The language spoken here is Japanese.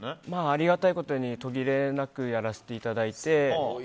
ありがたいことに途切れなくやらせていただいて。